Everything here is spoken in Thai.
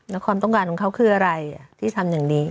แล้วความต้องการของเขาคืออะไรที่ทำอย่างนี้